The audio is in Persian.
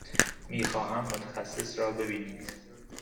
می خواهم متخصص را ببینید.